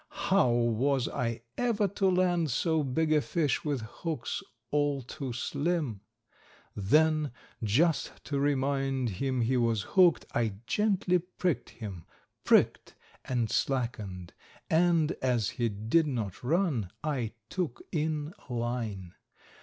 How was I ever to land so big a fish with hooks all too slim! Then, just to remind him he was hooked, I gently pricked him, pricked, and slackened, and, as he did not run, I took in line.